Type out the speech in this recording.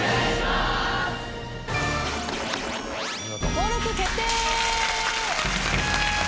登録決定！